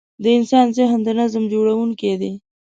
د انسان ذهن د نظم جوړوونکی دی.